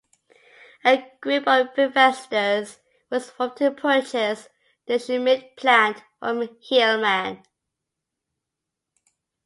A group of investors was formed to purchase the Schmidt plant from Heileman.